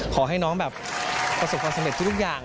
ขอให้น้องแบบประสบความสำเร็จทุกอย่าง